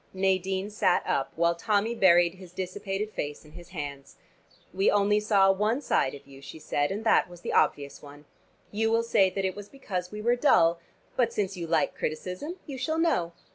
Nadine sat up, while Tommy buried his dissipated face in his hands. "We only saw one side of you," she said, "and that was the obvious one. You will say that it was because we were dull. But since you like criticism you shall know.